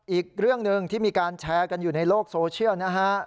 อีกเรื่องหนึ่งที่มีการแชร์กันอยู่ในโลกโซเชียลนะฮะ